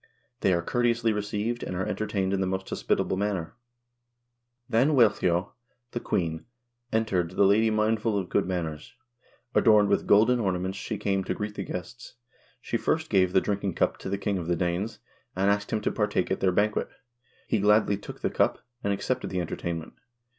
They are courteously received, and are entertained in the most hospitable manner. "Then Wealhtheow, the queen, entered, the lady mindful of good manners. Adorned with golden ornaments she came to greet the guests. She first gave the drinking cup to the king of the Danes, and asked him to partake of their banquet. He gladly took the cup, and accepted the entertainment.